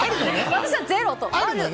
私はゼロと。